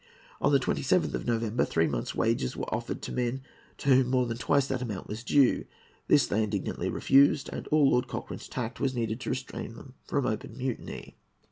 On the 27th of November, three months' wages were offered to men to whom more than twice the amount was due. This they indignantly refused, and all Lord Cochrane's tact was needed to restrain them from open mutiny.